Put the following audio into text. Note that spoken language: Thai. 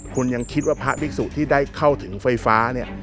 คุณยังคิดว่าพระภิกษุที่ได้เข้าถึงไฟฟ้าเนี่ย